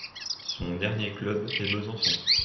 Son dernier club est Besançon.